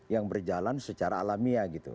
yang berjalan secara alamiah gitu